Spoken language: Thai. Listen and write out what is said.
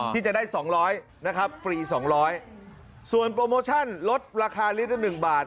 ที่จะได้สองร้อยนะครับฟรีสองร้อยส่วนโปรโมชั่นลดราคาลิตรละ๑บาท